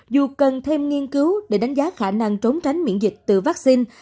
dù cần thêm nghiên cứu để đánh giá khả năng trốn tránh miễn dịch từ vaccine